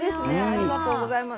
ありがとうございます。